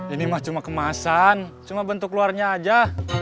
ini cuma kemasan cuma bentuk luarnya aja